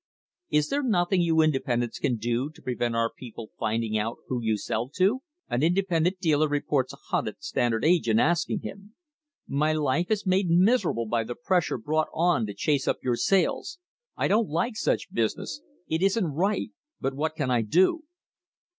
"Is there nothing you independents can do to prevent our people finding out who you sell to?" an independent dealer reports a hunted Stand ard agent asking him. "My life is made miserable by the pressure brought on to chase up your sales. I don't like such business. It isn't right, but what can I do?"